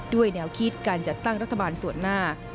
แนวคิดการจัดตั้งรัฐบาลส่วนหน้า